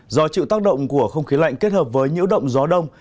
do chịu tác động của không khí lạnh kết hợp với nhiễu động gió đông